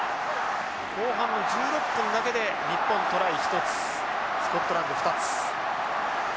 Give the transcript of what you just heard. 後半の１６分だけで日本トライ１つスコットランド２つ。